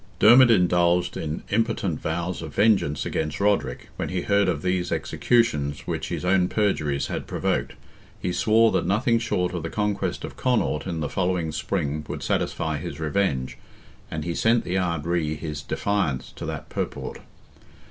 Dermid indulged in impotent vows of vengeance against Roderick, when he heard of these executions which his own perjuries had provoked; he swore that nothing short of the conquest of Connaught in the following spring would satisfy his revenge, and he sent the Ard Righ his defiance to that purport.